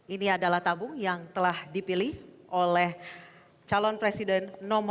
ini adalah tabung yang telah dipilih oleh calon presiden nomor satu